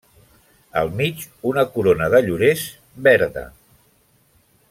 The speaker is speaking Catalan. Al mig una corona de llorers verda.